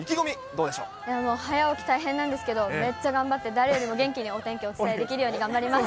早起き大変なんですけど、めっちゃ頑張って、誰よりも元気にお天気伝えられるように頑張ります。